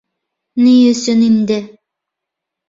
Ни өсөн инде?